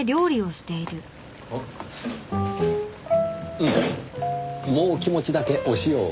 うんもう気持ちだけお塩を。